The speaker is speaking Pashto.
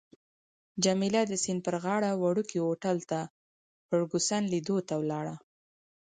جميله د سیند پر غاړه وړوکي هوټل ته فرګوسن لیدو ته ولاړه.